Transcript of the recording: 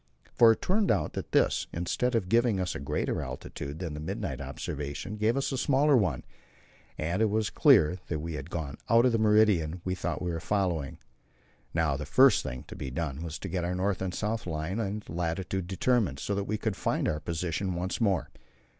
For it turned out that this, instead of giving us a greater altitude than the midnight observation, gave us a smaller one, and it was then clear that we had gone out of the meridian we thought we were following. Now the first thing to be done was to get our north and south line and latitude determined, so that we could find our position once more.